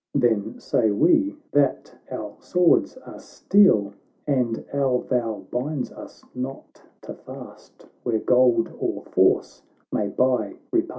——" Then say we, that our swords are steel ! And our vow binds us not to fast, Where gold or force may buy repast."